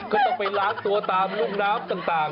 ก็ต้องไปล้างตัวตามรุ่มน้ำต่าง